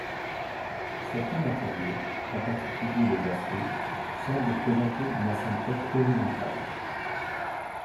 Certains matériaux, en particulier les aciers, semblent présenter une asymptote horizontale.